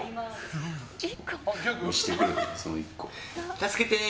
助けてー！